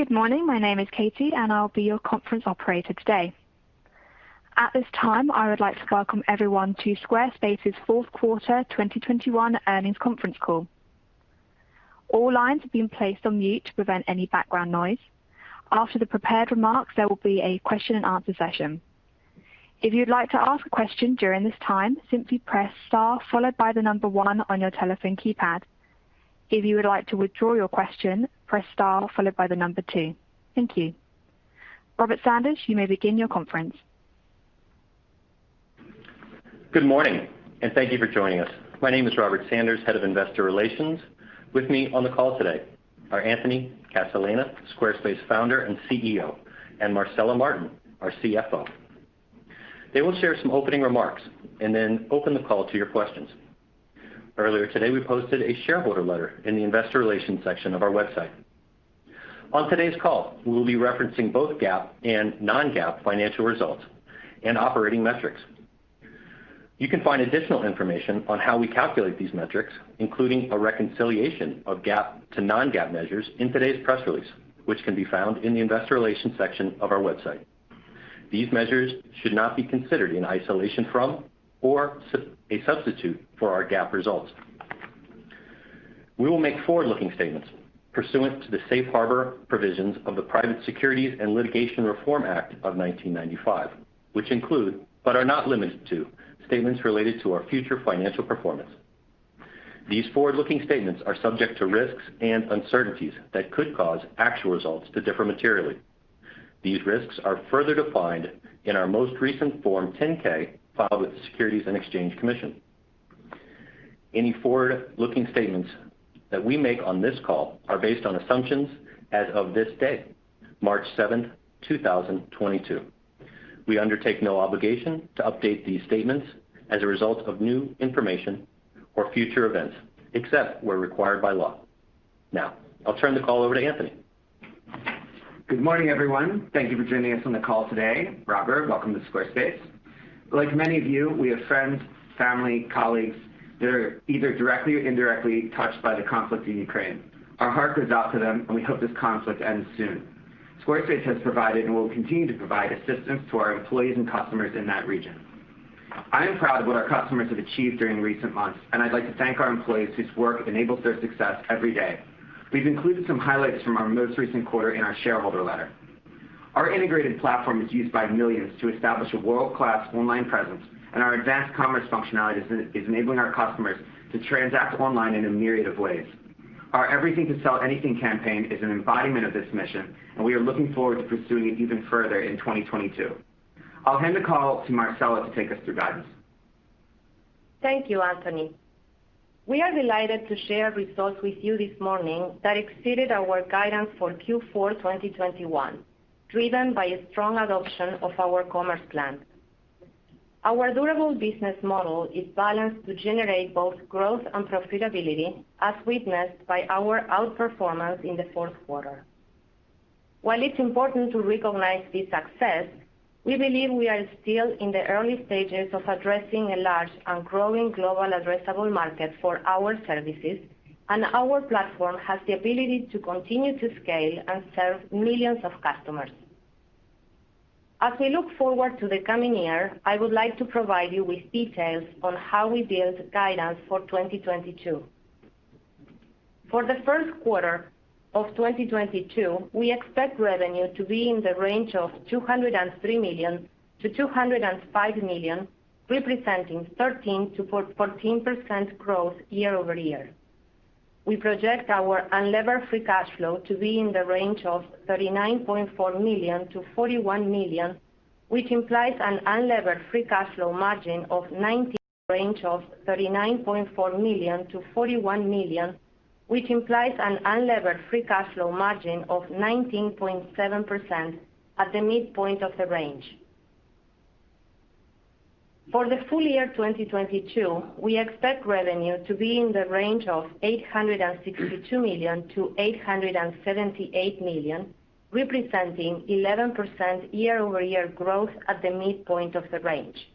Good morning. My name is Katie, and I'll be your conference operator today. At this time, I would like to welcome everyone to Squarespace's fourth quarter 2021 earnings conference call. All lines have been placed on mute to prevent any background noise. After the prepared remarks, there will be a question-and-answer session. If you'd like to ask a question during this time, simply press star followed by one on your telephone keypad. If you would like to withdraw your question, press star followed by two. Thank you. Robert Sanders, you may begin your conference. Good morning, and thank you for joining us. My name is Robert Sanders, Head of Investor Relations. With me on the call today are Anthony Casalena, Squarespace Founder and CEO, and Marcela Martin, our CFO. They will share some opening remarks and then open the call to your questions. Earlier today, we posted a shareholder letter in the investor relations section of our website. On today's call, we will be referencing both GAAP and non-GAAP financial results and operating metrics. You can find additional information on how we calculate these metrics, including a reconciliation of GAAP to non-GAAP measures in today's press release, which can be found in the investor relations section of our website. These measures should not be considered in isolation from or as a substitute for our GAAP results. We will make forward-looking statements pursuant to the safe harbor provisions of the Private Securities Litigation Reform Act of 1995, which include, but are not limited to, statements related to our future financial performance. These forward-looking statements are subject to risks and uncertainties that could cause actual results to differ materially. These risks are further defined in our most recent Form 10-K filed with the Securities and Exchange Commission. Any forward-looking statements that we make on this call are based on assumptions as of this date, March 7, 2022. We undertake no obligation to update these statements as a result of new information or future events, except where required by law. Now I'll turn the call over to Anthony. Good morning, everyone. Thank you for joining us on the call today. Robert, welcome to Squarespace. Like many of you, we have friends, family, colleagues that are either directly or indirectly touched by the conflict in Ukraine. Our heart goes out to them, and we hope this conflict ends soon. Squarespace has provided and will continue to provide assistance to our employees and customers in that region. I am proud of what our customers have achieved during recent months, and I'd like to thank our employees whose work enables their success every day. We've included some highlights from our most recent quarter in our shareholder letter. Our integrated platform is used by millions to establish a world-class online presence, and our advanced commerce functionality is enabling our customers to transact online in a myriad of ways. Our Everything to Sell Anything campaign is an embodiment of this mission, and we are looking forward to pursuing it even further in 2022. I'll hand the call to Marcela to take us through guidance. Thank you, Anthony. We are delighted to share results with you this morning that exceeded our guidance for Q4 2021, driven by a strong adoption of our commerce plan. Our durable business model is balanced to generate both growth and profitability, as witnessed by our outperformance in the fourth quarter. While it's important to recognize this success, we believe we are still in the early stages of addressing a large and growing global addressable market for our services, and our platform has the ability to continue to scale and serve millions of customers. As we look forward to the coming year, I would like to provide you with details on how we build guidance for 2022. For the first quarter of 2022, we expect revenue to be in the range of $203 million-$205 million, representing 13%-14% growth year-over-year. We project our unlevered free cash flow to be in the range of $39.4 million-$41 million, which implies an unlevered free cash flow margin of 19.7% at the midpoint of the range. For the full year 2022, we expect revenue to be in the range of $862 million-$878 million, representing 11% year-over-year growth at the midpoint of the range.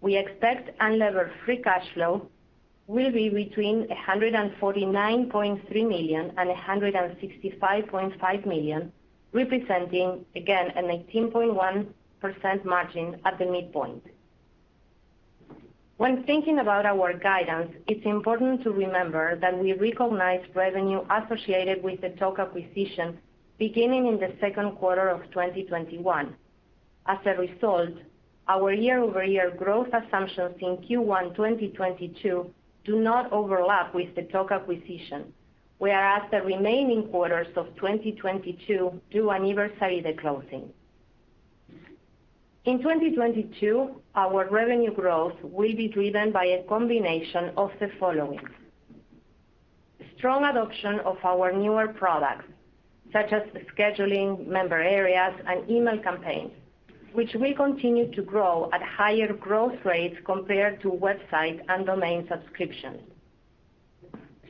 We expect unlevered free cash flow will be between $149.3 million and $165.5 million, representing an 18.1% margin at the midpoint. When thinking about our guidance, it's important to remember that we recognize revenue associated with the Tock acquisition beginning in the second quarter of 2021. As a result, our year-over-year growth assumptions in Q1 2022 do not overlap with the Tock acquisition, whereas the remaining quarters of 2022 do anniversary the closing. In 2022, our revenue growth will be driven by a combination of the following. Strong adoption of our newer products such as scheduling, Member Areas and Email Campaigns, which will continue to grow at higher growth rates compared to website and domain subscriptions.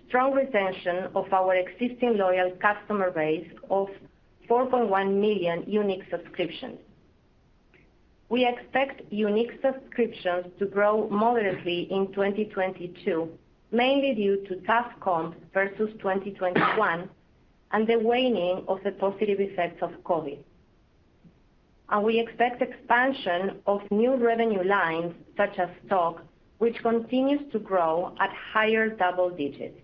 Strong retention of our existing loyal customer base of 4.1 million unique subscriptions. We expect unique subscriptions to grow moderately in 2022, mainly due to tough comp versus 2021 and the waning of the positive effects of COVID. We expect expansion of new revenue lines such as Tock, which continues to grow at higher double digits.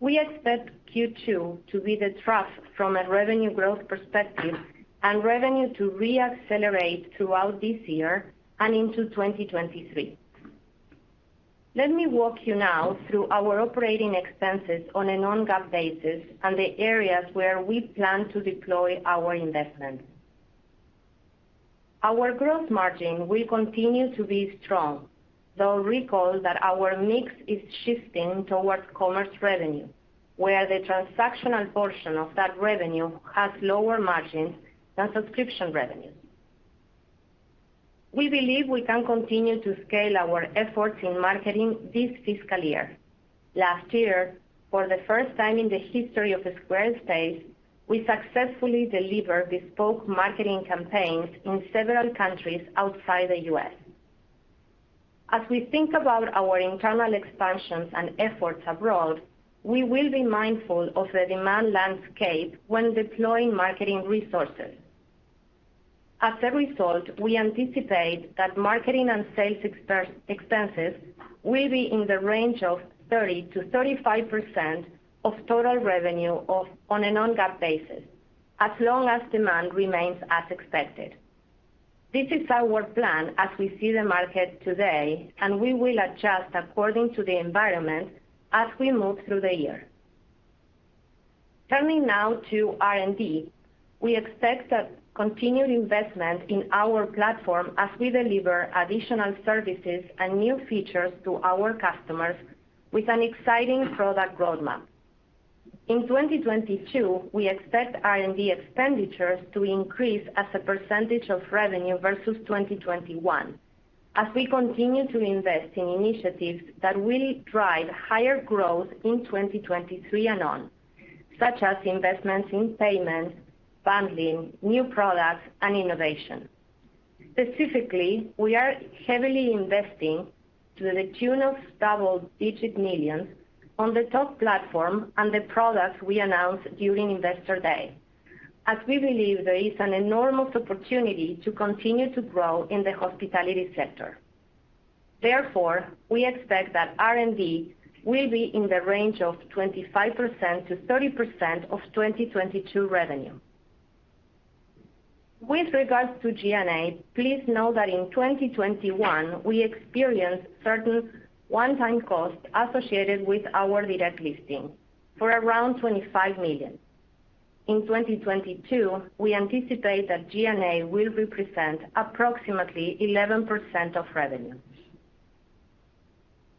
We expect Q2 to be the trough from a revenue growth perspective and revenue to re-accelerate throughout this year and into 2023. Let me walk you now through our operating expenses on a non-GAAP basis and the areas where we plan to deploy our investment. Our growth margin will continue to be strong, though recall that our mix is shifting towards commerce revenue, where the transactional portion of that revenue has lower margins than subscription revenue. We believe we can continue to scale our efforts in marketing this fiscal year. Last year, for the first time in the history of Squarespace, we successfully delivered bespoke marketing campaigns in several countries outside the U.S. As we think about our internal expansions and efforts abroad, we will be mindful of the demand landscape when deploying marketing resources. As a result, we anticipate that marketing and sales expenses will be in the range of 30%-35% of total revenue on a non-GAAP basis, as long as demand remains as expected. This is our plan as we see the market today, and we will adjust according to the environment as we move through the year. Turning now to R&D. We expect a continued investment in our platform as we deliver additional services and new features to our customers with an exciting product roadmap. In 2022, we expect R&D expenditures to increase as a percentage of revenue versus 2021 as we continue to invest in initiatives that will drive higher growth in 2023 and on, such as investments in payments, bundling, new products and innovation. Specifically, we are heavily investing to the tune of double-digit millions on the Tock platform and the products we announced during Investor Day, as we believe there is an enormous opportunity to continue to grow in the hospitality sector. Therefore, we expect that R&D will be in the range of 25%-30% of 2022 revenue. With regards to G&A, please know that in 2021 we experienced certain one-time costs associated with our direct listing for around $25 million. In 2022, we anticipate that G&A will represent approximately 11% of revenue.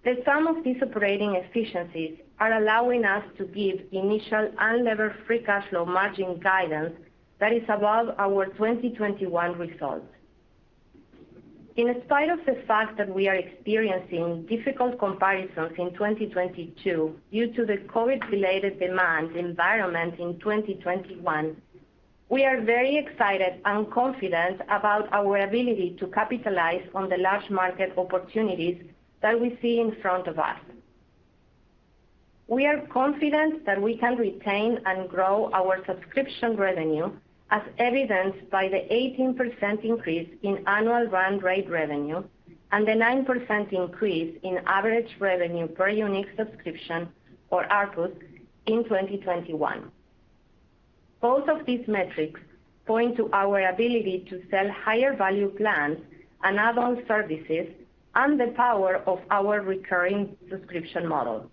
The sum of these operating efficiencies are allowing us to give initial unlevered free cash flow margin guidance that is above our 2021 results. In spite of the fact that we are experiencing difficult comparisons in 2022 due to the COVID-related demand environment in 2021, we are very excited and confident about our ability to capitalize on the large market opportunities that we see in front of us. We are confident that we can retain and grow our subscription revenue, as evidenced by the 18% increase in annual run rate revenue and the 9% increase in average revenue per unique subscription or ARPU in 2021. Both of these metrics point to our ability to sell higher value plans and add-on services and the power of our recurring subscription model.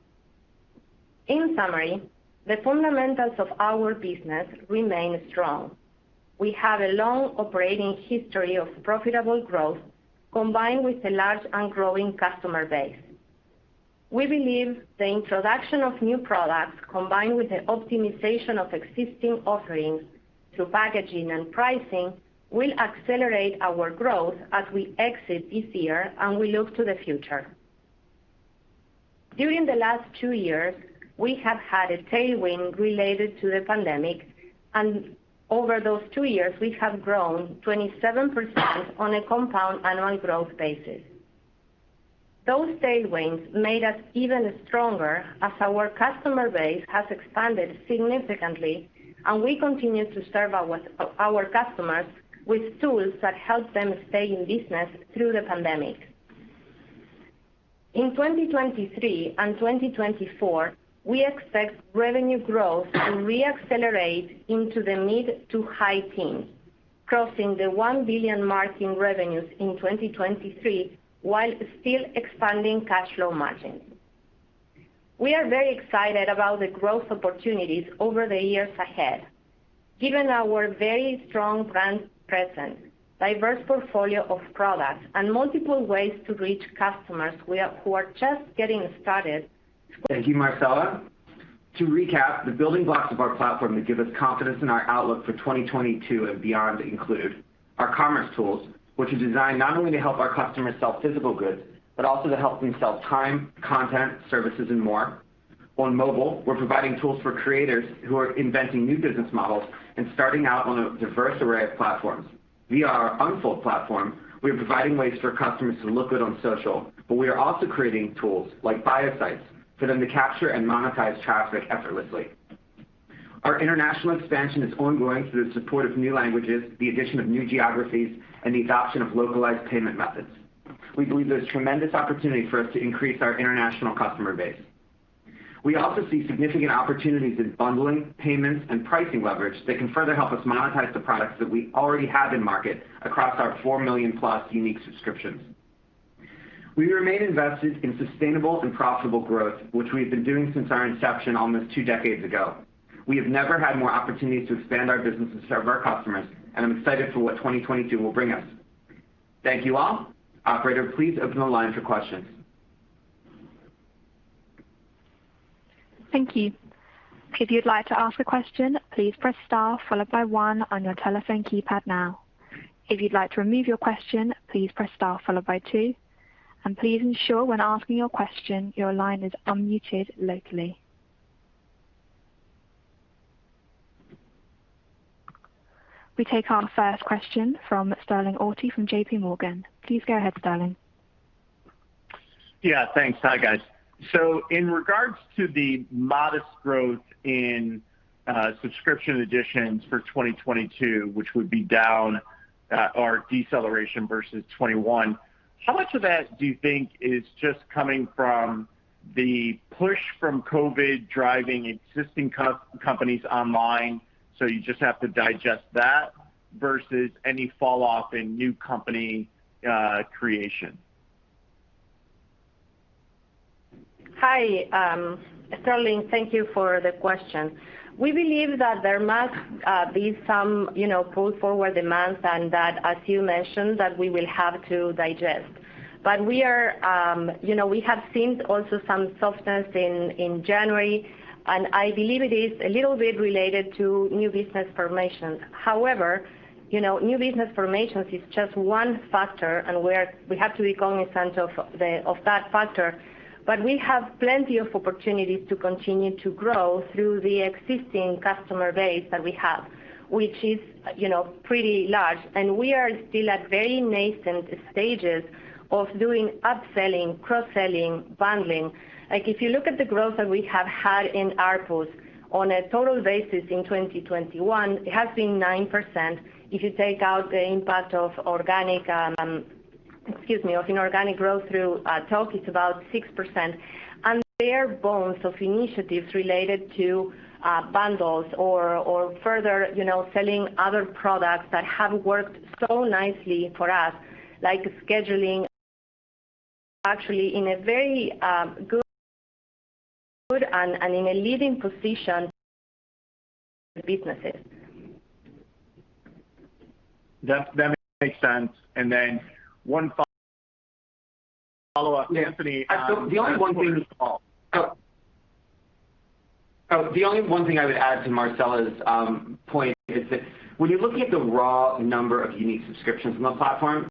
In summary, the fundamentals of our business remain strong. We have a long operating history of profitable growth, combined with a large and growing customer base. We believe the introduction of new products, combined with the optimization of existing offerings through packaging and pricing, will accelerate our growth as we exit this year and we look to the future. During the last two years, we have had a tailwind related to the pandemic, and over those two years we have grown 27% on a compound annual growth basis. Those tailwinds made us even stronger as our customer base has expanded significantly and we continue to serve our customers with tools that help them stay in business through the pandemic. In 2023 and 2024, we expect revenue growth to re-accelerate into the mid to high teens, crossing the $1 billion mark in revenues in 2023 while still expanding cash flow margins. We are very excited about the growth opportunities over the years ahead. Given our very strong brand presence, diverse portfolio of products and multiple ways to reach customers, we are just getting started. Thank you, Marcela. To recap, the building blocks of our platform that give us confidence in our outlook for 2022 and beyond include our commerce tools, which are designed not only to help our customers sell physical goods, but also to help them sell time, content, services and more. On mobile, we're providing tools for creators who are inventing new business models and starting out on a diverse array of platforms. Via our Unfold platform, we are providing ways for customers to look good on social, but we are also creating tools like Bio Sites for them to capture and monetize traffic effortlessly. Our international expansion is ongoing through the support of new languages, the addition of new geographies, and the adoption of localized payment methods. We believe there's tremendous opportunity for us to increase our international customer base. We also see significant opportunities in bundling, payments, and pricing leverage that can further help us monetize the products that we already have in market across our 4+ million unique subscriptions. We remain invested in sustainable and profitable growth, which we've been doing since our inception almost two decades ago. We have never had more opportunities to expand our business and serve our customers, and I'm excited for what 2022 will bring us. Thank you all. Operator, please open the line for questions. Thank you. If you'd like to ask a question, please press star followed by one on your telephone keypad now. If you'd like to remove your question, please press star followed by two. Please ensure when asking your question, your line is unmuted locally. We take our first question from Sterling Auty from JPMorgan. Please go ahead, Sterling. Yeah, thanks. Hi, guys. In regards to the modest growth in subscription additions for 2022, which would be down or deceleration versus 2021, how much of that do you think is just coming from the push from COVID driving existing companies online, so you just have to digest that versus any fall off in new company creation? Hi, Sterling. Thank you for the question. We believe that there must be some, you know, pull-forward demands and that, as you mentioned, that we will have to digest. But we are, you know, we have seen also some softness in January, and I believe it is a little bit related to new business formations. However, you know, new business formations is just one factor, and we have to be cognizant of that factor. But we have plenty of opportunities to continue to grow through the existing customer base that we have, which is pretty large. We are still at very nascent stages of doing upselling, cross-selling, bundling. Like, if you look at the growth that we have had in ARPU on a total basis in 2021, it has been 9%. If you take out the impact of inorganic growth through Tock, it's about 6%. Bare bones of initiatives related to bundles or further selling other products that have worked so nicely for us, like scheduling, actually in a very good and in a leading position businesses. That makes sense. One follow up, Anthony, The only one thing I would add to Marcela's point is that when you're looking at the raw number of unique subscriptions on the platform,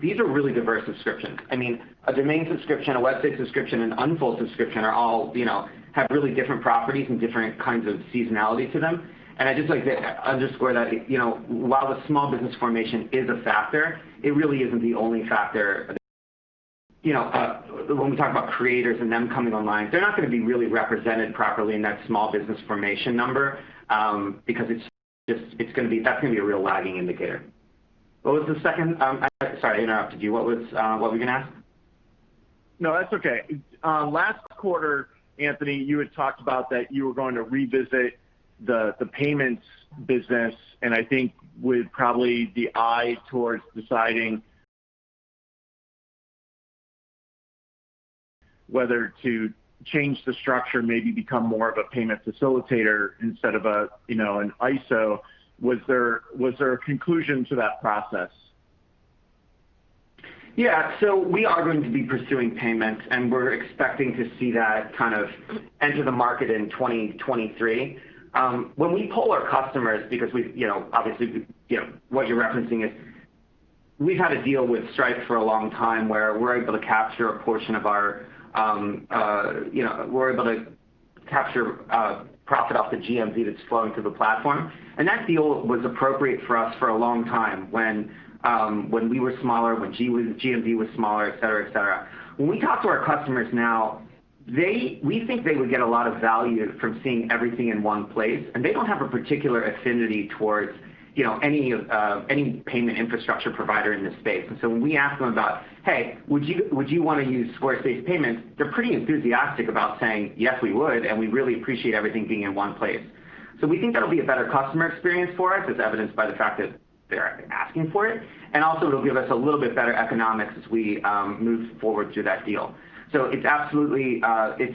these are really diverse subscriptions. I mean, a domain subscription, a website subscription, an Unfold subscription are all, you know, have really different properties and different kinds of seasonality to them. I'd just like to underscore that, you know, while the small business formation is a factor, it really isn't the only factor. You know, when we talk about creators and them coming online, they're not gonna be really represented properly in that small business formation number, because it's just that that's gonna be a real lagging indicator. What was the second? I'm sorry, I interrupted you. What were you gonna ask? No, that's okay. Last quarter, Anthony, you had talked about that you were going to revisit the payments business, and I think with probably the eye towards deciding whether to change the structure, maybe become more of a payment facilitator instead of a, you know, an ISO. Was there a conclusion to that process? Yeah. We are going to be pursuing payments, and we're expecting to see that kind of enter the market in 2023. When we poll our customers because we, you know, obviously, you know, what you're referencing is we've had a deal with Stripe for a long time where we're able to capture a portion of our, you know, we're able to capture profit off the GMV that's flowing through the platform. That deal was appropriate for us for a long time when we were smaller, when GMV was smaller, et cetera. When we talk to our customers now, we think they would get a lot of value from seeing everything in one place, and they don't have a particular affinity towards, you know, any payment infrastructure provider in this space. When we ask them about, "Hey, would you wanna use Squarespace Payments?" They're pretty enthusiastic about saying, "Yes, we would, and we really appreciate everything being in one place." We think that'll be a better customer experience for us, as evidenced by the fact that they're asking for it. Also, it'll give us a little bit better economics as we move forward through that deal. It's absolutely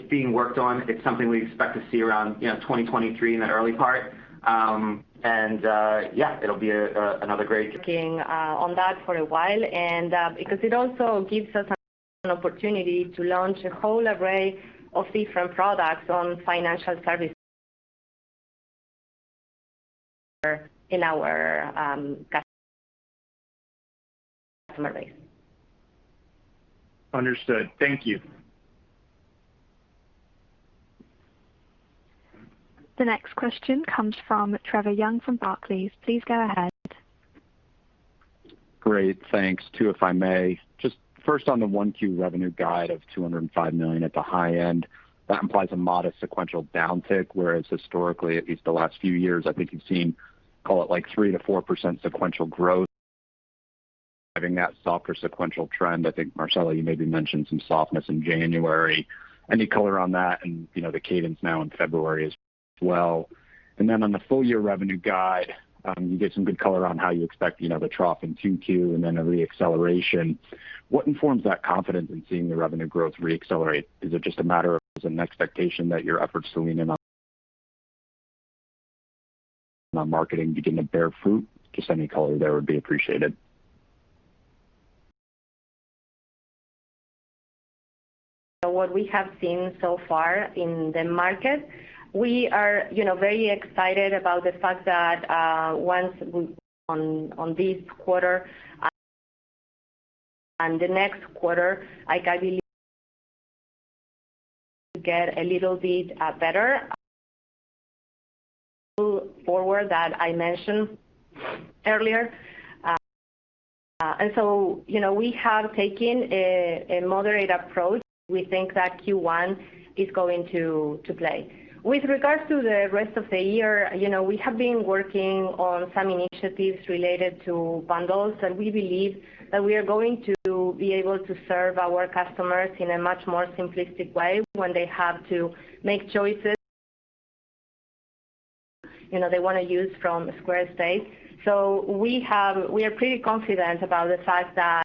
being worked on. It's something we expect to see around 2023 in the early part. You know, yeah, it'll be another great. Working on that for a while, and because it also gives us an opportunity to launch a whole array of different products on financial services in our customer base. Understood. Thank you. The next question comes from Trevor Young from Barclays. Please go ahead. Great. Thanks. Two, if I may. Just first on the 1Q revenue guide of $205 million at the high end, that implies a modest sequential downtick, whereas historically, at least the last few years, I think you've seen, call it like 3%-4% sequential growth. Having that softer sequential trend, I think, Marcela, you maybe mentioned some softness in January. Any color on that and, you know, the cadence now in February as well? Then on the full year revenue guide, you get some good color on how you expect, you know, the trough in 2Q and then a reacceleration. What informs that confidence in seeing the revenue growth reaccelerate? Is it just a matter of an expectation that your efforts to lean in on marketing begin to bear fruit? Just any color there would be appreciated. What we have seen so far in the market, we are, you know, very excited about the fact that on this quarter and the next quarter, like, I believe get a little bit better moving forward that I mentioned earlier. You know, we have taken a moderate approach. We think that Q1 is going to play. With regards to the rest of the year, you know, we have been working on some initiatives related to bundles, and we believe that we are going to be able to serve our customers in a much more simplistic way when they have to make choices, you know, they wanna use from Squarespace. We are pretty confident about the fact that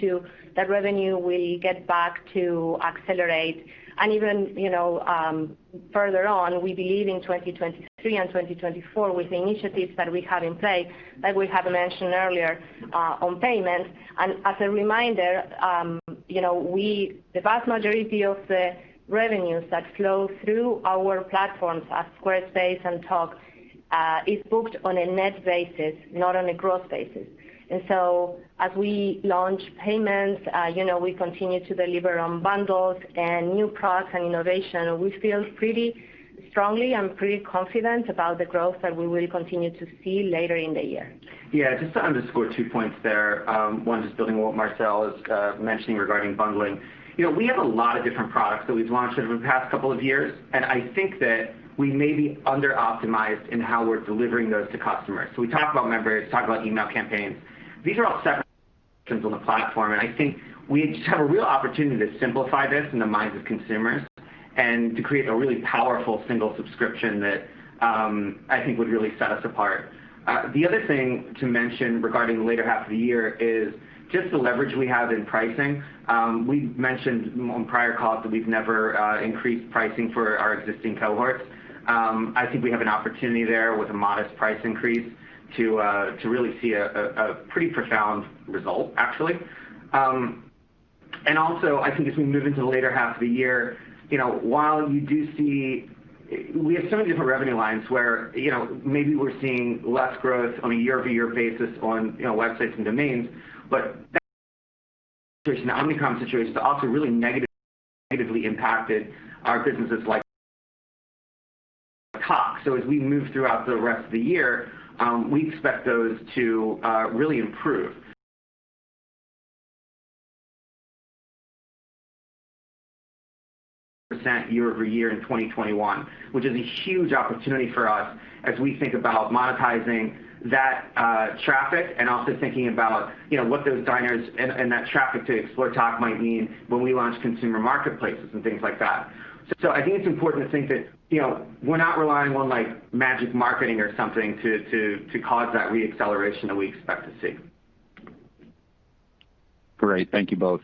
the revenue will get back to accelerate. Even, you know, further on, we believe in 2023 and 2024 with the initiatives that we have in play, like we have mentioned earlier, on payments. As a reminder, you know, the vast majority of the revenues that flow through our platforms at Squarespace and Tock is booked on a net basis, not on a gross basis. As we launch payments, you know, we continue to deliver on bundles and new products and innovation. We feel pretty strongly and pretty confident about the growth that we will continue to see later in the year. Yeah. Just to underscore two points there. One, just building what Marcela is mentioning regarding bundling. You know, we have a lot of different products that we've launched over the past couple of years, and I think that we may be under optimized in how we're delivering those to customers. We talk about members, talk about Email Campaigns. These are all separate functions on the platform, and I think we just have a real opportunity to simplify this in the minds of consumers and to create a really powerful single subscription that, I think would really set us apart. The other thing to mention regarding the later half of the year is just the leverage we have in pricing. We've mentioned on prior calls that we've never increased pricing for our existing cohorts. I think we have an opportunity there with a modest price increase to really see a pretty profound result, actually. Also, I think as we move into the later half of the year, you know, while you do see we have so many different revenue lines where, you know, maybe we're seeing less growth on a year-over-year basis on websites and domains, but there's an Omicron situation that also really negatively impacted our businesses like Tock. As we move throughout the rest of the year, we expect those to really improve. Percent year-over-year in 2021, which is a huge opportunity for us as we think about monetizing that traffic and also thinking about, you know, what those diners and that traffic to Explore Tock might mean when we launch consumer marketplaces and things like that. I think it's important to think that we're not relying on, like, magic marketing or something to cause that reacceleration that we expect to see. Great. Thank you both.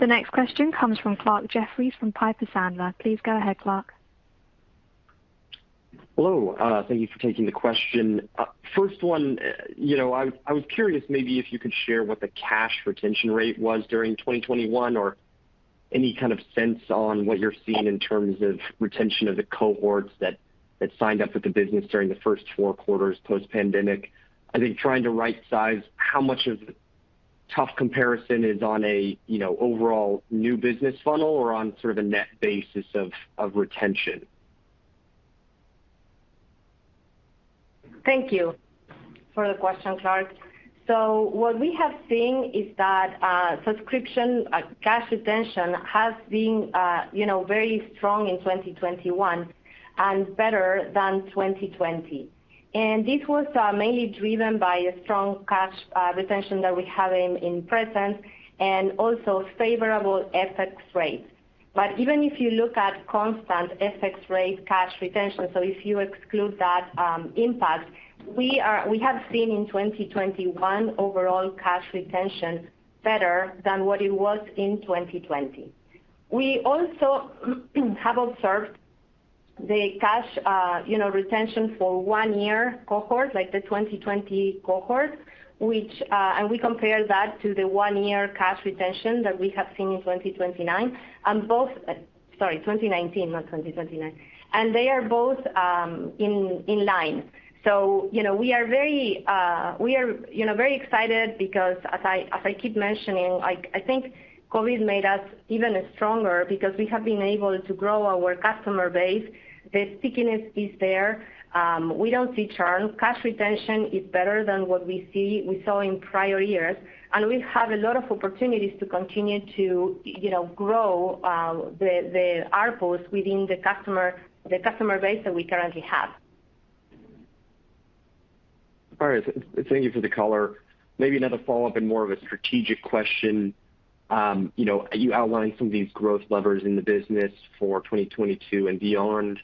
The next question comes from Clarke Jeffries from Piper Sandler. Please go ahead, Clarke. Hello. Thank you for taking the question. First one, you know, I was curious maybe if you could share what the cash retention rate was during 2021 or any kind of sense on what you're seeing in terms of retention of the cohorts that signed up with the business during the first four quarters post-pandemic. I think trying to right-size how much of the tough comparison is on a, you know, overall new business funnel or on sort of a net basis of retention. Thank you for the question, Clarke. What we have seen is that subscription cash retention has been, you know, very strong in 2021 and better than 2020. This was mainly driven by a strong cash retention that we have in Presence and also favorable FX rates. Even if you look at constant FX rate cash retention, so if you exclude that impact, we have seen in 2021 overall cash retention better than what it was in 2020. We also have observed the cash retention for one-year cohort, like the 2020 cohort, which, and we compare that to the one-year cash retention that we have seen in 2029. Both. Sorry, 2019, not 2029. They are both in line. We are very excited because as I keep mentioning, like I think COVID made us even stronger because we have been able to grow our customer base. The stickiness is there. We don't see churn. Cash retention is better than what we saw in prior years, and we have a lot of opportunities to continue to, you know, grow the ARPU within the customer base that we currently have. All right. Thank you for the color. Maybe another follow-up and more of a strategic question. You outlined some of these growth levers in the business for 2022 and beyond.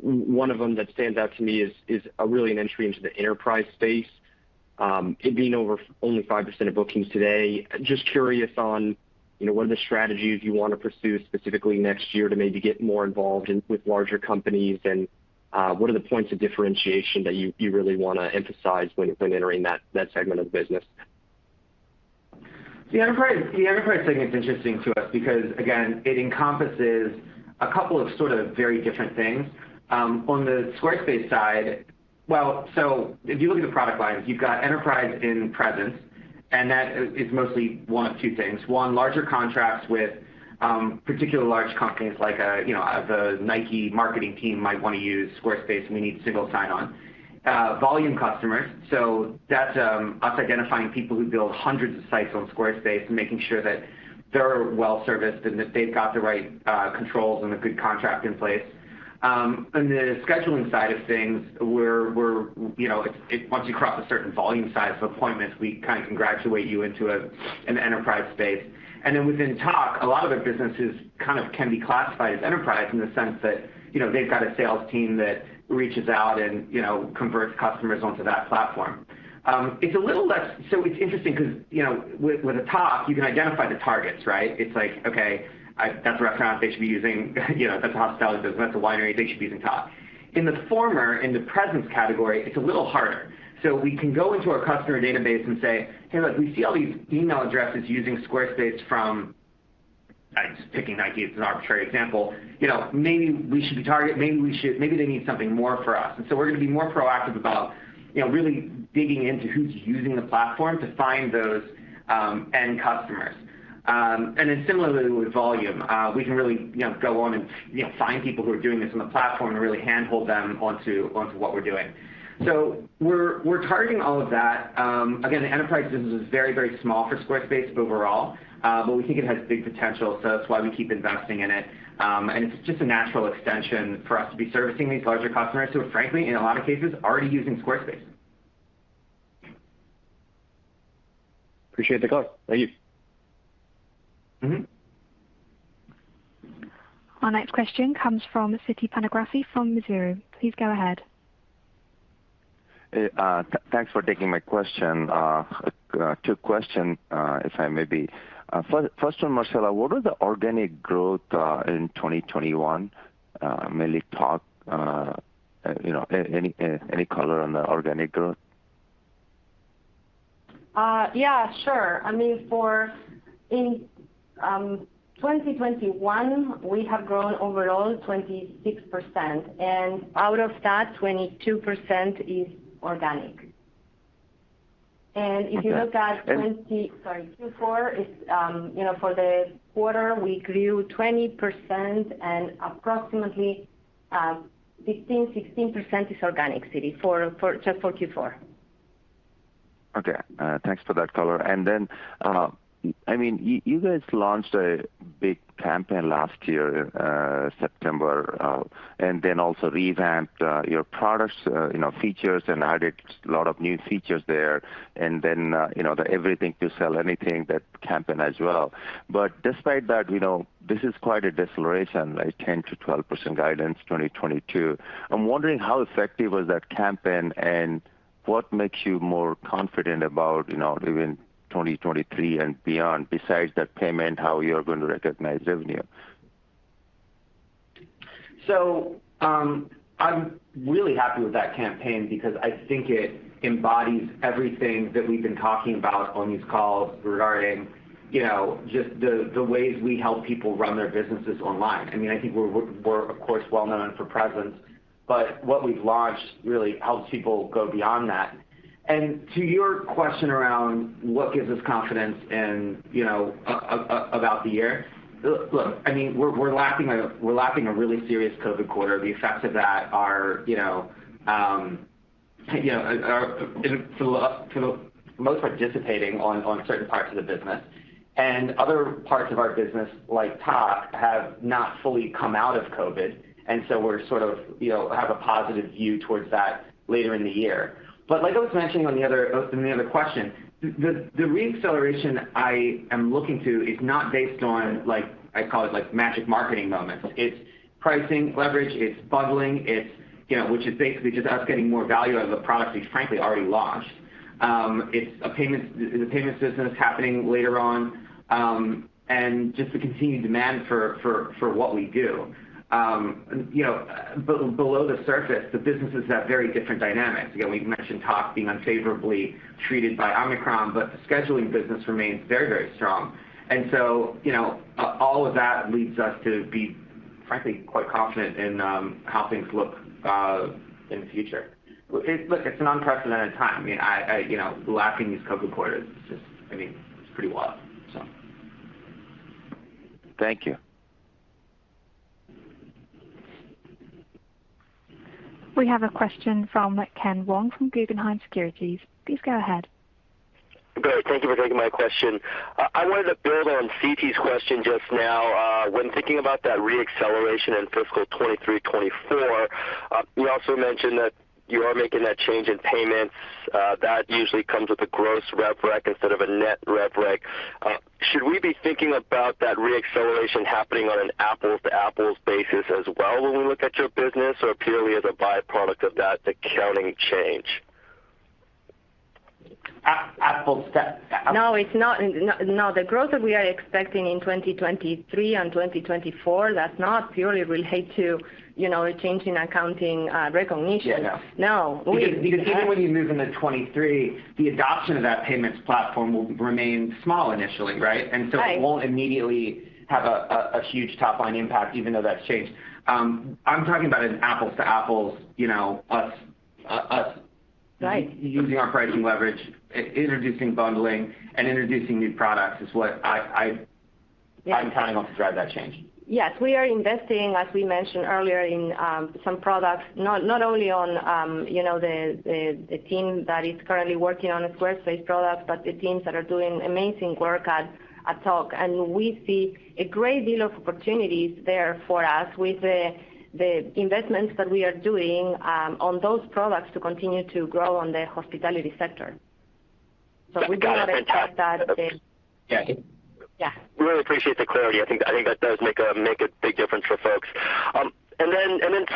One of them that stands out to me is really an entry into the enterprise space, it being only over 5% of bookings today. Just curious on what are the strategies you wanna pursue specifically next year to maybe get more involved in with larger companies, and what are the points of differentiation that you really wanna emphasize when entering that segment of the business? The enterprise segment's interesting to us because, again, it encompasses a couple of sort of very different things. On the Squarespace side, well, if you look at the product lines, you've got enterprise in Presence, and that is mostly one of two things. One, larger contracts with particularly large companies like, you know, the Nike marketing team might wanna use Squarespace, and we need single sign on. Volume customers, so that's us identifying people who build hundreds of sites on Squarespace and making sure that they're well-serviced and that they've got the right, controls and a good contract in place. On the scheduling side of things, we're, you know, once you cross a certain volume size of appointments, we kind of graduate you into an enterprise space. Within Tock, a lot of their businesses kind of can be classified as enterprise in the sense that, you know, they've got a sales team that reaches out and, you know, converts customers onto that platform. It's a little less so. It's interesting because, you know, with Tock, you can identify the targets, right? It's like, okay, that's a restaurant they should be using. That's a hospitality business, that's a winery, they should be using Tock. In the former, in the Presence category, it's a little harder. We can go into our customer database and say, "Hey, look, we see all these email addresses using Squarespace from," I'm just picking Nike as an arbitrary example, "maybe they need something more from us." We're gonna be more proactive about really digging into who's using the platform to find those end customers. And then similarly with volume, we can really go on and find people who are doing this on the platform and really handhold them onto what we're doing. We're targeting all of that. Again, the enterprise business is very, very small for Squarespace overall, but we think it has big potential, so that's why we keep investing in it. It's just a natural extension for us to be servicing these larger customers who are, frankly, in a lot of cases, already using Squarespace. Appreciate the color. Thank you. Our next question comes from Siti Panigrahi from Mizuho. Please go ahead. Thanks for taking my question. Two questions, if I may. First one, Marcela, what was the organic growth in 2021, mainly Tock? You know, any color on the organic growth? Yeah, sure. I mean, in 2021, we have grown overall 26%, and out of that, 22% is organic. If you look at- Q4 is, you know, for the quarter, we grew 20% and approximately 15%-16% is organic, Siti, for just for Q4. Thanks for that color. Then, I mean, you guys launched a big campaign last year, September, and then also revamped your products features and added a lot of new features there. Then the Everything to Sell Anything, that campaign as well. Despite that this is quite a deceleration, like 10%-12% guidance, 2022. I'm wondering how effective was that campaign, and what makes you more confident about, you know, even 2023 and beyond, besides that payment, how you're going to recognize revenue? I'm really happy with that campaign because I think it embodies everything that we've been talking about on these calls regarding just the ways we help people run their businesses online. I mean, I think we're of course well-known for Presence, but what we've launched really helps people go beyond that. To your question around what gives us confidence in about the year, look, I mean, we're lacking a really serious COVID quarter. The effects of that are are for the most part dissipating on certain parts of the business, and other parts of our business, like Tock, have not fully come out of COVID. We're sort of, you know, have a positive view towards that later in the year. Like I was mentioning on the other, in the other question, the re-acceleration I am looking to is not based on, like, I call it, like, magic marketing moments. It's pricing leverage, it's bundling, it's, you know, which is basically just us getting more value out of the products we've frankly already launched. It's payments, the payments business happening later on, and just the continued demand for what we do. You know, below the surface, the businesses have very different dynamics. We've mentioned Tock being unfavorably treated by Omicron, but the scheduling business remains very, very strong. All of that leads us to be frankly quite confident in how things look in the future. Look, it's an unprecedented time. I mean lacking these COVID quarters is just... I mean, it's pretty wild. Thank you. We have a question from Ken Wong from Guggenheim Securities. Please go ahead. Great. Thank you for taking my question. I wanted to build on Siti's question just now. When thinking about that re-acceleration in fiscal 2023, 2024, you also mentioned that you are making that change in payments, that usually comes with a gross rev rec instead of a net rev rec. Should we be thinking about that re-acceleration happening on an apples-to-apples basis as well when we look at your business or purely as a byproduct of that accounting change? No, it's not. The growth that we are expecting in 2023 and 2024, that's not purely relate to a change in accounting recognition. Yeah, no. No. Because even when you move into 2023, the adoption of that payments platform will remain small initially, right? It won't immediately have a huge top line impact, even though that's changed. I'm talking about an apples-to-apples, you know, U.S.... using our pricing leverage, introducing bundling and introducing new products is what I I'm counting on to drive that change. Yes, we are investing, as we mentioned earlier, in some products, not only on, you know, the team that is currently working on the Squarespace product, but the teams that are doing amazing work at Tock. We see a great deal of opportunities there for us with the investments that we are doing on those products to continue to grow on the hospitality sector. We do- Got it. Fantastic. Yeah. Really appreciate the clarity. I think that does make a big difference for folks.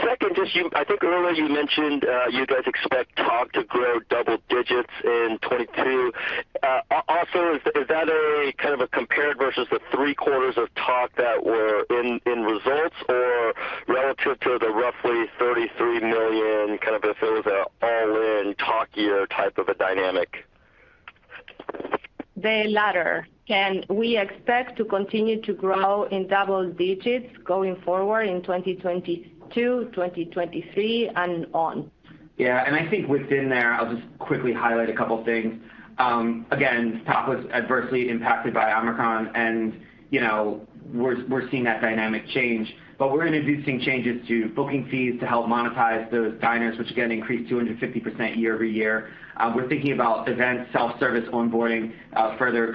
Second, just you, I think earlier you mentioned you guys expect Tock to grow double digits in 2022. Also, is that a kind of a compared versus the three quarters of Tock that were in results or relative to the roughly $33 million, kind of if it was an all-in Tock year type of a dynamic? The latter. Ken, we expect to continue to grow in double digits going forward in 2022, 2023 and on. I think within there, I'll just quickly highlight a couple things. Again, Tock was adversely impacted by Omicron and we're seeing that dynamic change. We're introducing changes to booking fees to help monetize those diners, which again increased 250% year-over-year. We're thinking about events, self-service onboarding, further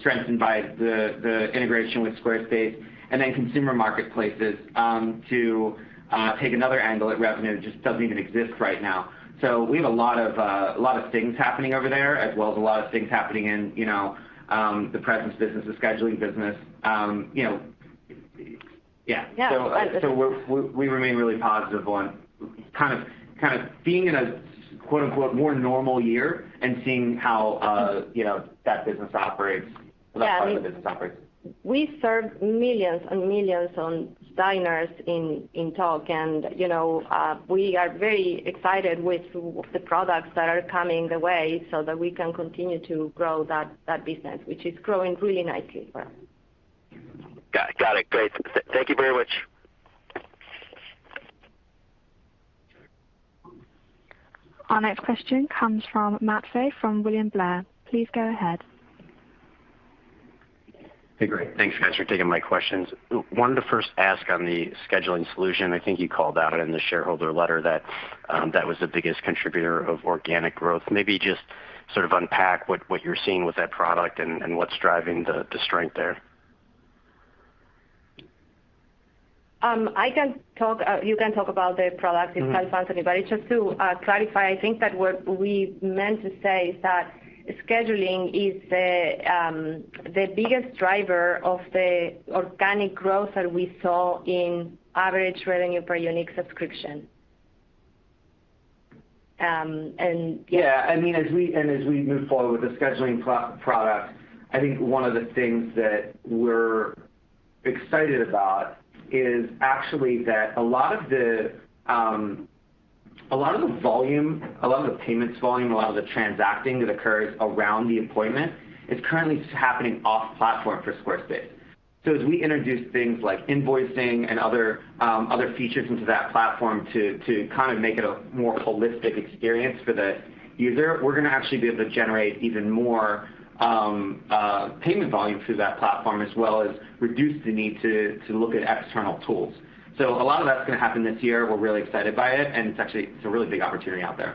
strengthened by the integration with Squarespace, and then consumer marketplaces to take another angle at revenue that just doesn't even exist right now. We have a lot of things happening over there, as well as a lot of things happening in the Presence business, the Scheduling business. We remain really positive on kind of being in a quote-unquote "more normal year" and seeing how, you know, that business operates. That part of the business operates. We serve millions and millions of diners in Tock and, you know, we are very excited with the products that are coming our way so that we can continue to grow that business, which is growing really nicely for us. Got it. Great. Thank you very much. Our next question comes from Matt Pfau from William Blair. Please go ahead. Hey, great. Thanks, guys, for taking my questions. Wanted to first ask on the scheduling solution. I think you called out in the shareholder letter that that was the biggest contributor of organic growth. Maybe just sort of unpack what you're seeing with that product and what's driving the strength there. I can talk, you can talk about the products in self-service. Just to clarify, I think that what we meant to say is that scheduling is the biggest driver of the organic growth that we saw in average revenue per unique subscription. I mean, as we move forward with the Scheduling product, I think one of the things that we're excited about is actually that a lot of the volume, a lot of the payments volume, a lot of the transacting that occurs around the appointment is currently happening off platform for Squarespace. As we introduce things like invoicing and other features into that platform to kind of make it a more holistic experience for the user, we're gonna actually be able to generate even more payment volume through that platform, as well as reduce the need to look at external tools. A lot of that's gonna happen this year. We're really excited by it, and it's actually a really big opportunity out there.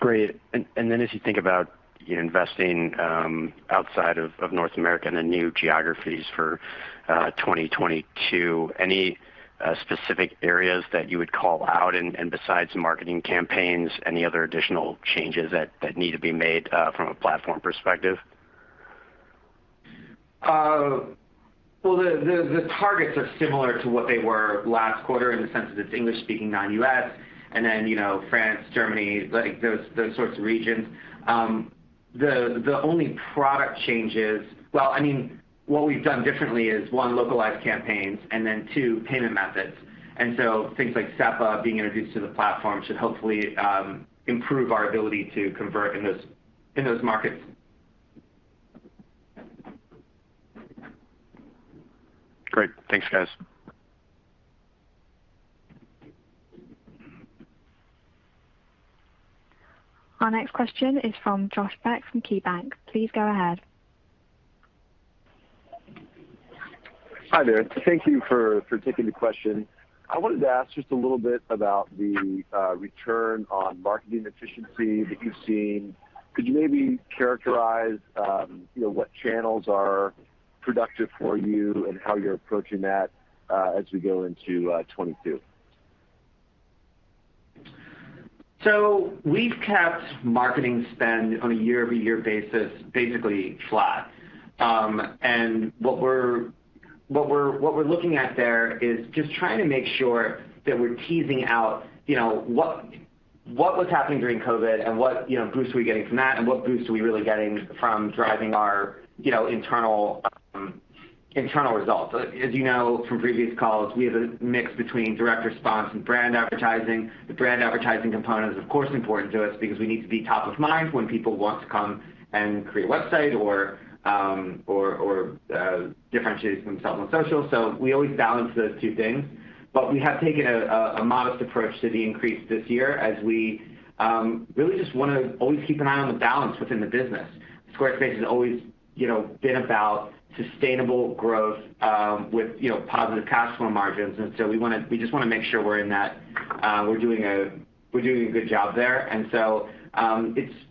Great. Then as you think about investing outside of North America in the new geographies for 2022, any specific areas that you would call out? Besides marketing campaigns, any other additional changes that need to be made from a platform perspective? Well, the targets are similar to what they were last quarter in the sense that it's English-speaking, non-U.S., and then, you know, France, Germany, like, those sorts of regions. The only product changes. Well, I mean, what we've done differently is one, localized campaigns, and then two, payment methods. Things like SEPA being introduced to the platform should hopefully improve our ability to convert in those markets. Great. Thanks, guys. Our next question is from Josh Beck from KeyBanc. Please go ahead. Hi there. Thank you for taking the question. I wanted to ask just a little bit about the return on marketing efficiency that you've seen. Could you maybe characterize you know what channels are productive for you and how you're approaching that as we go into 2022? We've kept marketing spend on a year-over-year basis, basically flat. And what we're looking at there is just trying to make sure that we're teasing out, you know, what was happening during COVID and what, you know, boost are we getting from that, and what boost are we really getting from driving our, you know, internal results. As you know from previous calls, we have a mix between direct response and brand advertising. The brand advertising component is, of course, important to us because we need to be top of mind when people want to come and create a website or differentiate themselves on social. We always balance those two things. We have taken a modest approach to the increase this year as we really just wanna always keep an eye on the balance within the business. Squarespace has always, you know, been about sustainable growth with, you know, positive cash flow margins. We just wanna make sure we're in that we're doing a good job there.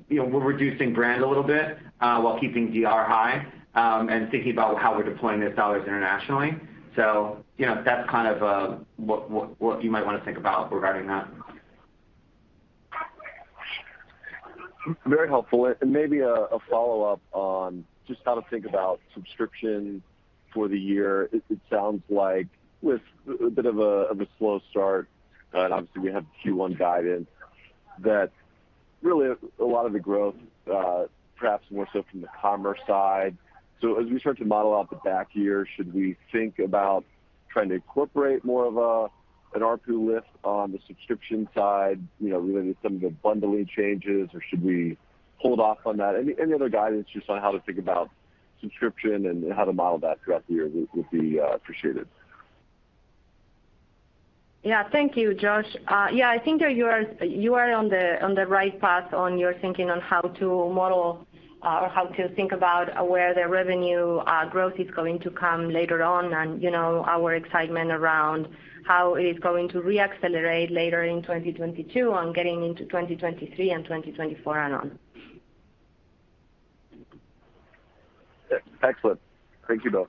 You know, we're reducing brand a little bit while keeping DR high and thinking about how we're deploying those dollars internationally. You know, that's kind of what you might want to think about regarding that. Very helpful. Maybe a follow-up on just how to think about subscription for the year. It sounds like with a bit of a slow start, and obviously we have Q1 guidance, that really a lot of the growth perhaps more so from the commerce side. As we start to model out the back half of the year, should we think about trying to incorporate more of an ARPU lift on the subscription side, you know, related to some of the bundling changes, or should we hold off on that? Any other guidance just on how to think about subscription and how to model that throughout the year would be appreciated. Yeah. Thank you, Josh. Yeah, I think you are on the right path on your thinking on how to model or how to think about where the revenue growth is going to come later on and our excitement around how it is going to re-accelerate later in 2022 on getting into 2023 and 2024 and on. Excellent. Thank you both.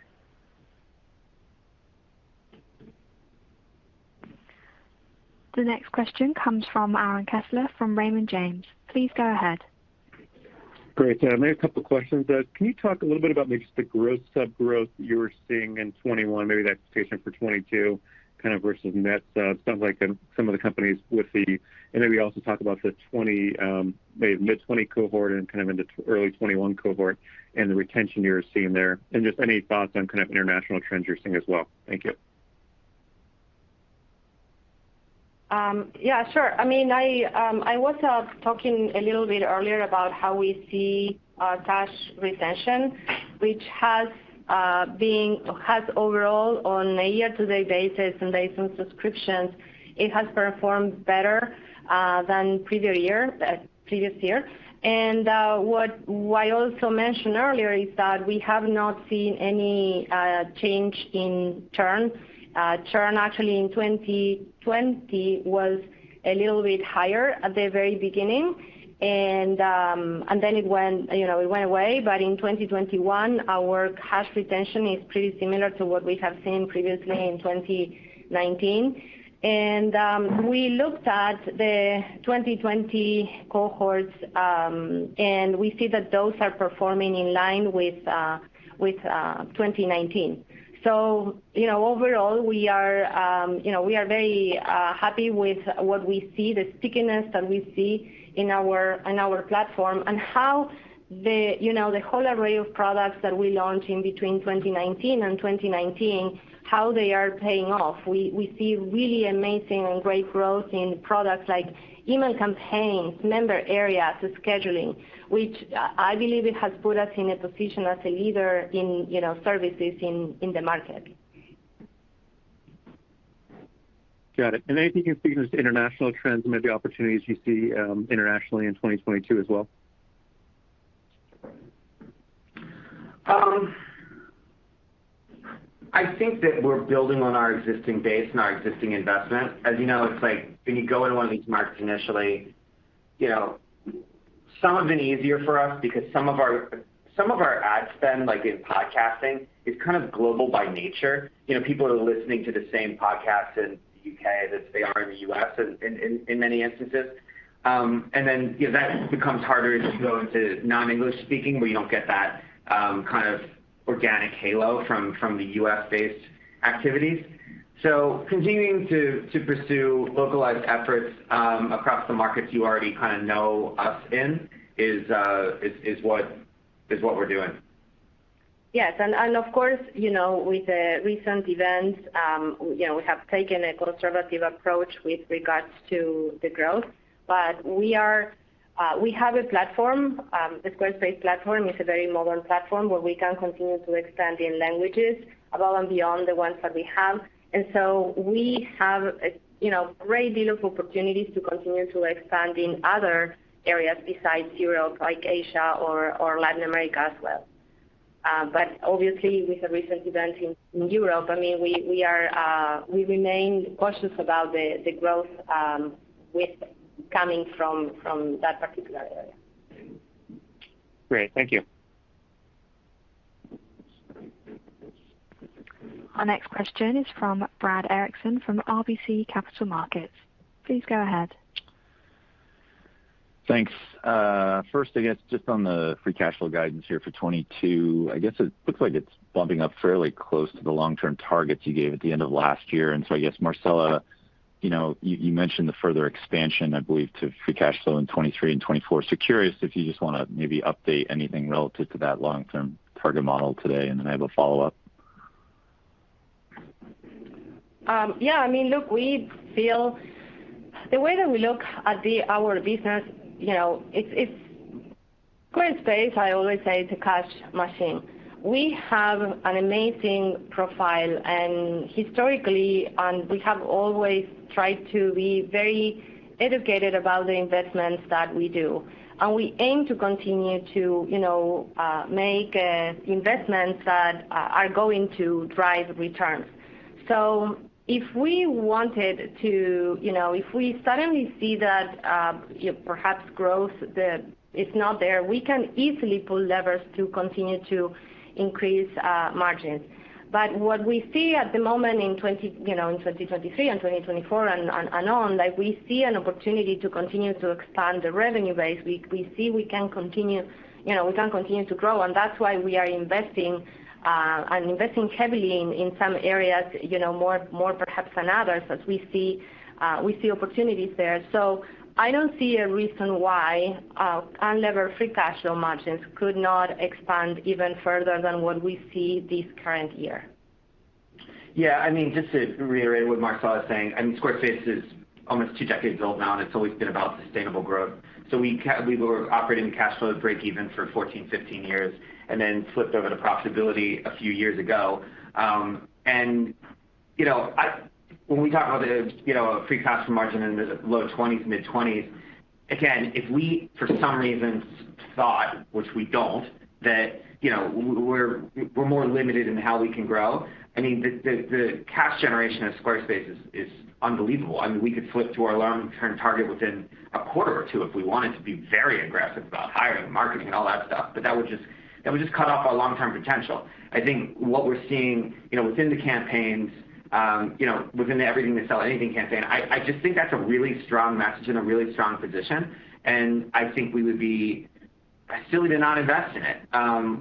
The next question comes from Aaron Kessler from Raymond James. Please go ahead. Great. I have a couple questions. Can you talk a little bit about maybe just the growth, subscription growth you were seeing in 2021, maybe the expectation for 2022, kind of versus net? It sounds like some of the companies. We also talk about the 2020, maybe mid-2020 cohort and kind of into early 2021 cohort and the retention you're seeing there. Just any thoughts on kind of international trends you're seeing as well. Thank you. Yeah, sure. I mean, I was talking a little bit earlier about how we see cash retention, which has overall on a year-to-date basis and based on subscriptions, it has performed better than previous year. What I also mentioned earlier is that we have not seen any change in churn. Churn actually in 2020 was a little bit higher at the very beginning, and then it went, you it went away. In 2021, our cash retention is pretty similar to what we have seen previously in 2019. We looked at the 2020 cohorts, and we see that those are performing in line with 2019. Overall, we are very happy with what we see, the stickiness that we see in our platform and how the whole array of products that we launched between 2019 and 2019 are paying off. We see really amazing and great growth in products like Email Campaigns, Member Areas to Scheduling, which I believe it has put us in a position as a leader in services in the market. Got it. Anything you can speak on just international trends and maybe opportunities you see internationally in 2022 as well? I think that we're building on our existing base and our existing investment. As you know, it's like when you go into one of these markets initially, some have been easier for us because some of our ad spend, like in podcasting, is kind of global by nature. People are listening to the same podcast in the U.K. as they are in the U.S. in many instances. That becomes harder as you go into non-English-speaking, where you don't get that kind of organic halo from the U.S.-based activities. Continuing to pursue localized efforts across the markets you already kinda know us in is what we're doing. Of course with the recent events we have taken a conservative approach with regards to the growth. We have a platform, the Squarespace platform is a very modern platform where we can continue to expand in languages above and beyond the ones that we have. We have a, you know, great deal of opportunities to continue to expand in other areas besides Europe, like Asia or Latin America as well. Obviously with the recent events in Europe, I mean, we remain cautious about the growth with coming from that particular area. Great. Thank you. Our next question is from Brad Erickson from RBC Capital Markets. Please go ahead. Thanks. First, I guess just on the free cash flow guidance here for 2022, I guess it looks like it's bumping up fairly close to the long-term targets you gave at the end of last year. I guess, Marcela, you know, you mentioned the further expansion, I believe, to free cash flow in 2023 and 2024. Curious if you just wanna maybe update anything relative to that long-term target model today, and then I have a follow-up. Yeah, I mean, look, we feel. The way that we look at our business, you know, it's Squarespace. I always say, it's a cash machine. We have an amazing profile, and historically, we have always tried to be very educated about the investments that we do. We aim to continue to, you know, make investments that are going to drive returns. If we wanted to, you know, if we suddenly see that perhaps growth that is not there, we can easily pull levers to continue to increase margins. But what we see at the moment in 2023 and 2024 and on, like, we see an opportunity to continue to expand the revenue base. We see we can continue, you know, we can continue to grow, and that's why we are investing and investing heavily in some areas, you know, more perhaps than others as we see opportunities there. I don't see a reason why unlevered free cash flow margins could not expand even further than what we see this current year. Yeah. I mean, just to reiterate what Marcela is saying, I mean, Squarespace is almost two decades old now, and it's always been about sustainable growth. We were operating cash flow breakeven for 14, 15 years and then flipped over to profitability a few years ago. When we talk about a free cash flow margin in the low 20s%, mid-20s%, again, if we, for some reason, thought, which we don't that we're more limited in how we can grow, I mean, the cash generation of Squarespace is unbelievable. I mean, we could flip to our long-term target within a quarter or two if we wanted to be very aggressive about hiring, marketing, and all that stuff. That would cut off our long-term potential. I think what we're seeing within the campaigns within the Everything to Sell Anything campaign, I just think that's a really strong message and a really strong position, and I think we would be silly to not invest in it.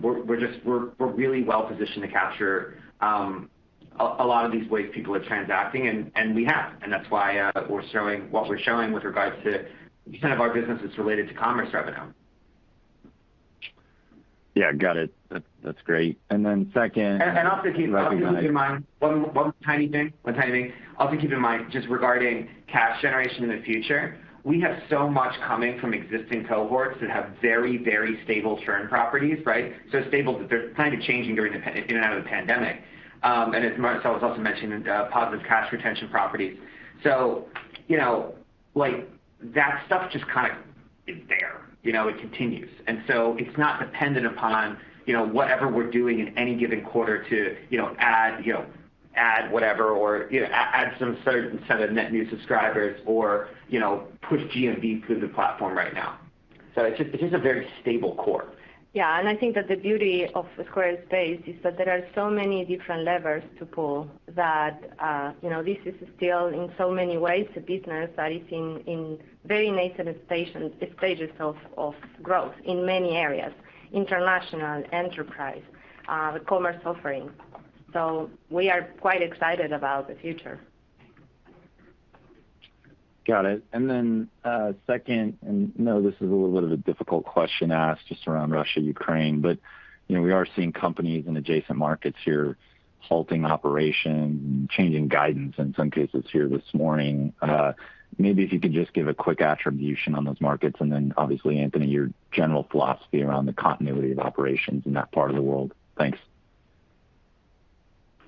We're just really well positioned to capture a lot of these ways people are transacting, and we have, and that's why we're showing what we're showing with regards to percent of our business is related to commerce revenue. Yeah, got it. That's great. Second- Also keep in mind one tiny thing, just regarding cash generation in the future. We have so much coming from existing cohorts that have very stable churn properties, right? So stable that they're kind of changing during the pandemic in and out of the pandemic. As Marcela has also mentioned, positive cash retention properties. You know, like, that stuff just kinda is there. You know, it continues. It's not dependent upon you know whatever we're doing in any given quarter to you know add whatever or add some certain set of net new subscribers or you know push GMV through the platform right now. It's just a very stable core. Yeah. I think that the beauty of Squarespace is that there are so many different levers to pull that, you know, this is still in so many ways a business that is in very nascent stages of growth in many areas, international, enterprise, the commerce offering. We are quite excited about the future. Got it. Second, and I know this is a little bit of a difficult question to ask just around Russia, Ukraine, but you know, we are seeing companies in adjacent markets here halting operations, changing guidance in some cases here this morning. Maybe if you could just give a quick color on those markets and then obviously, Anthony, your general philosophy around the continuity of operations in that part of the world. Thanks.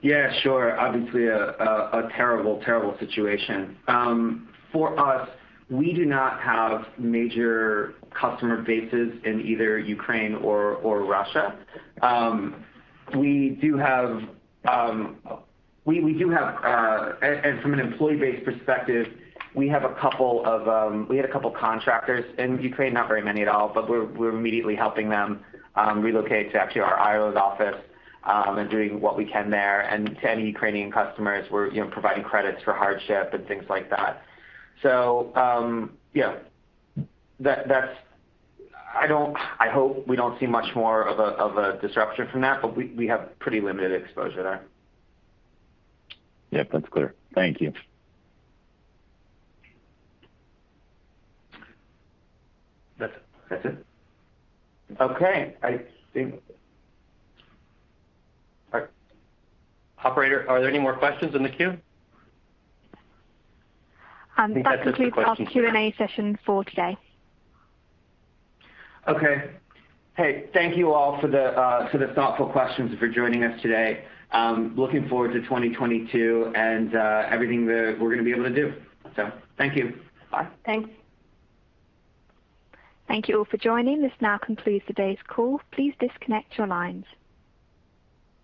Yeah, sure. Obviously a terrible situation. For us, we do not have major customer bases in either Ukraine or Russia. We do have, and from an employee base perspective, we had a couple contractors in Ukraine not very many at all, but we're immediately helping them relocate to actually our Ireland office, and doing what we can there. To any Ukrainian customers, we're providing credits for hardship and things like that. I hope we don't see much more of a disruption from that, but we have pretty limited exposure there. Yep, that's clear. Thank you. That's it. Okay. All right. Operator, are there any more questions in the queue? That concludes. I think that's it for questions. our Q&A session for today. Okay. Hey, thank you all for the thoughtful questions and for joining us today. Looking forward to 2022 and everything that we're gonna be able to do. Thank you. Bye. Thanks. Thank you all for joining. This now concludes today's call. Please disconnect your lines.